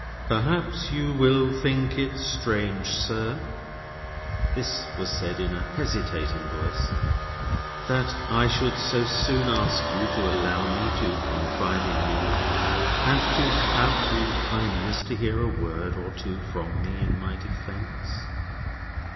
"Perhaps you will think it strange, sir,"—this was said in a hesitating voice—"that I should so soon ask you to allow me to confide in you, and to have the kindness to hear a word or two from me in my defence?"